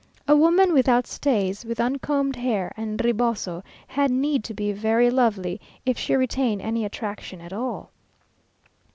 A woman without stays, with uncombed hair and reboso, had need to be very lovely, if she retain any attraction at all.